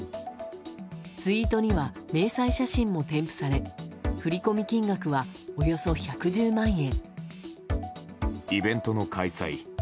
ツイートには明細写真も添付され振込金額はおよそ１１０万円。